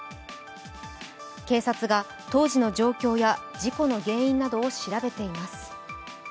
警察が当時の状況や事故の原因などを調べています。